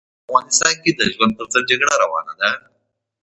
په افغانستان کې د ژوند پر ضد جګړه روانه ده.